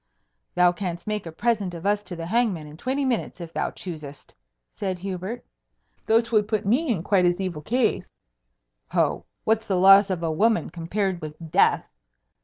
"Thou canst make a present of us to the hangman in twenty minutes if thou choosest," said Hubert. "Though 'twould put me in quite as evil case." "Ho! what's the loss of a woman compared with death?"